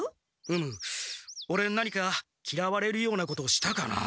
うむオレ何かきらわれるようなことしたかな？